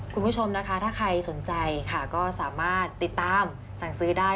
คุณผู้ชมนะคะถ้าใครสนใจค่ะก็สามารถติดตามสั่งซื้อได้